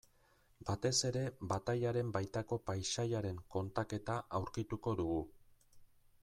Batez ere batailaren baitako paisaiaren kontaketa aurkituko dugu.